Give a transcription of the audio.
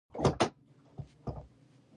بادام د افغانستان د ملي هویت یوه نښه ده.